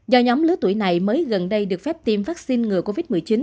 do nhóm lứa tuổi này mới gần đây được phép tiêm vaccine ngừa covid một mươi chín